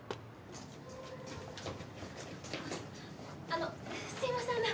あのすいません。